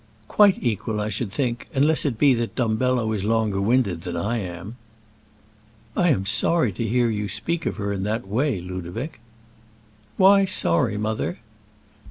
"Quite equal, I should think unless it be that Dumbello is longer winded than I am." "I am sorry to hear you speak of her in that way, Ludovic." "Why sorry, mother?"